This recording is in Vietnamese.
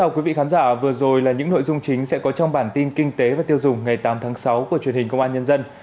chào mừng quý vị đến với bản tin kinh tế và tiêu dùng ngày tám tháng sáu của truyền hình công an nhân dân